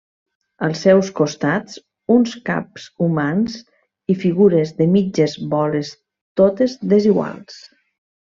Als seus costats, uns caps humans i figures de mitges boles totes desiguals.